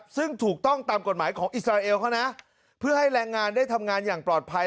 ซึ่งถูกต้องตามกฎหมายของอิสราเอลเขานะเพื่อให้แรงงานได้ทำงานอย่างปลอดภัย